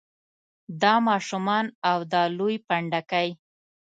دا ماشومان او دا لوی پنډکی.